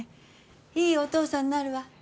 いいお父さんになるわ。